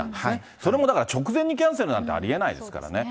それも直前にキャンセルなんてありえないですよね。